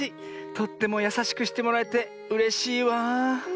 とってもやさしくしてもらえてうれしいわあ。